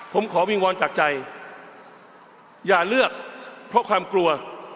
ผมขอวิงวอนจากใจอย่าเลือกเพราะความกลัว